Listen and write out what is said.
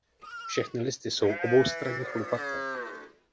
Všechny listy jsou oboustranně chlupaté.